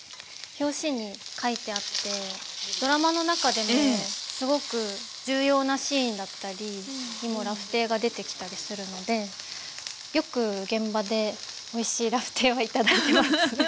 表紙に描いてあってドラマの中でもすごく重要なシーンだったりにもラフテーが出てきたりするのでよく現場でおいしいラフテーは頂いてます。